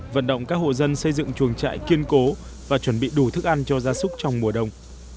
vận động các hộ dân xây dựng chuồng trại kiên cố và chuẩn bị đủ thức ăn cho gia súc trong mùa đông